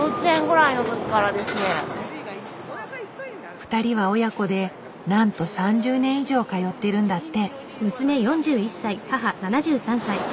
２人は親子でなんと３０年以上通ってるんだって。